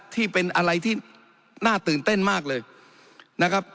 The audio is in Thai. ที่เป็นอะไรที่น่าตื่นเต้นมากเลยนะครับ